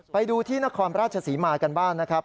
ไปดูที่นครราชศรีมากันบ้างนะครับ